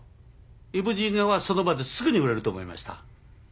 「イムジン河」はその場ですぐに売れると思いました。